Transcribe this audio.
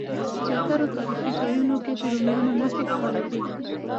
زیاترو تاریخي ځایونو کې د رومیانو نښې ښکارېدې.